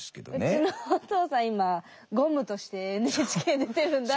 「うちのお父さん今ゴムとしてＮＨＫ出てるんだ」